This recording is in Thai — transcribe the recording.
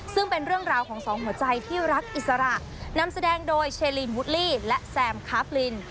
ซึ่งเป็นเรื่องราวของสองหัวใจที่รักอิสระนำแสดงโดยเชลินวูดลี่และแซมคาฟลิน